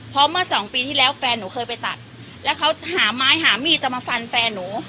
เพราะเมื่อสองปีที่แล้วแฟนหนูเคยไปตัดแล้วเขาหาไม้หามีดจะมาฟันแฟนหนู